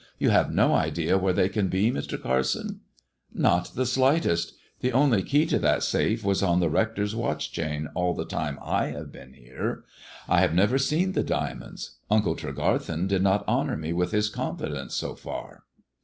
You have no idea where they can be, Mr; Carsoni" ." Not the slightest. The only key to that safe was on the Hector's watch chain all the time I have been here. I have never seen the diamonds. Uncle Tregarthen did not honour me with his confidence so far."